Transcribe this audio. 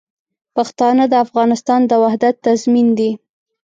پښتانه د افغانستان د وحدت تضمین دي.